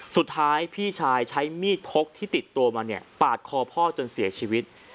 สุดท้ายพี่ชายใช้มีดพกที่ติดตัวมาเนี่ยปาดคอพ่อจนเสียชีวิต